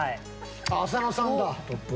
浅野さんだ。